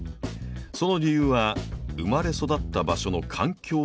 その理由は生まれ育った場所の環境にあります。